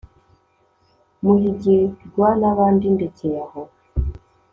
muhigirwa n'abandi ndekeye aho